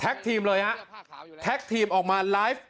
แท็กทีมเลยอ่ะแท็กทีมออกมาไลฟ์